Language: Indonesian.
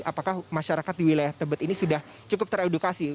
apakah masyarakat di wilayah tebet ini sudah cukup teredukasi